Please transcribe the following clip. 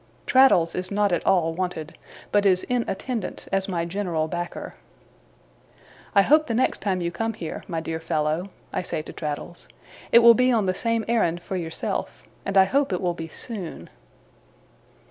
Traddles is not at all wanted, but is in attendance as my general backer. 'I hope the next time you come here, my dear fellow,' I say to Traddles, 'it will be on the same errand for yourself. And I hope it will be soon.